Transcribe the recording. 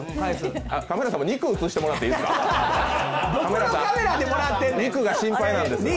カメラさん、もう肉映してもらっていいですか？